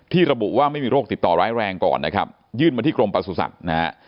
ระบุว่าไม่มีโรคติดต่อร้ายแรงก่อนนะครับยื่นมาที่กรมประสุทธิ์นะฮะ